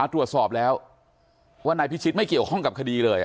ตรวจสอบแล้วว่านายพิชิตไม่เกี่ยวข้องกับคดีเลย